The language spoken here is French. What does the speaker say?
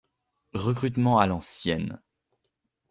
Recrutement à l’ancienne.